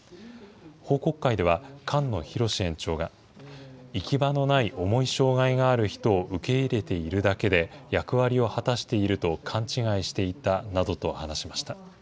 報告会では、菅野大史園長が、行き場のない重い障害がある人を受け入れているだけで役割を果たしていると勘違いしていたなどと話しました。